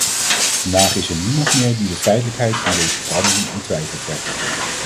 Vandaag is er niemand meer die de feitelijkheid van deze verandering in twijfel trekt.